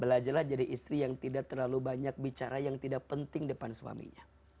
belajarlah jadi istri yang tidak terlalu banyak bicara yang tidak penting depan suaminya